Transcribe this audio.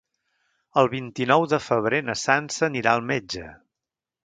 El vint-i-nou de febrer na Sança anirà al metge.